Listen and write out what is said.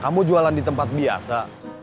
kamu jualan di tempat biasa